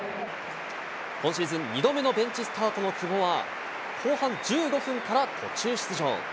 今シーズン２度目のベンチスタートの久保は、後半１５分から途中出場。